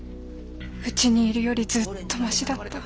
うちにいるよりずっとましだった。